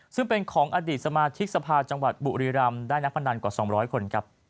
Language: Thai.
ซึ่งเป็นของอดีตสมาชิกสภาจังหวัดบุรีรำได้นักพนันกว่า๒๐๐คนครับ